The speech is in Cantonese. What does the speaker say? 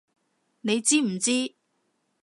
你知唔知！